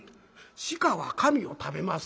鹿は紙を食べます。